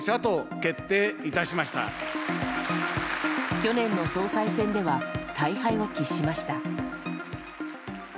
去年の総裁選では大敗を喫しました。